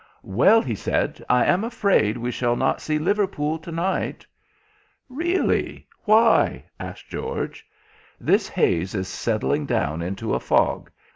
"Well," he said, "I am afraid we shall not see Liverpool to night." "Really. Why?" asked George. "This haze is settling down into a fog.